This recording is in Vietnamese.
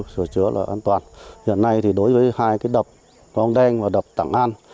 sửa chứa là an toàn hiện nay đối với hai đập rong đen và đập tảng an